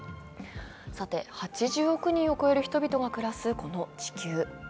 さて、８０億人を超える人々が暮らすこの地球。